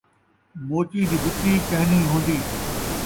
موچی دی جتّی کینھی ہون٘دی